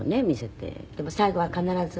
でも最後は必ず。